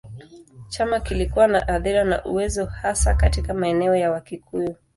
Chama kilikuwa na athira na uwezo hasa katika maeneo ya Wakikuyu.